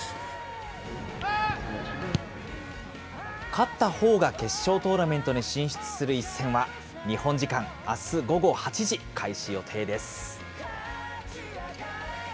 勝ったほうが決勝トーナメントに進出する一戦は、日本時間あす午後８時、開始予定です。